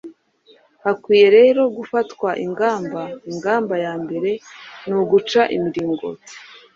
Hakwiye rero gufatwa ingamba. Ingamba ya mbere ni uguca imiringoti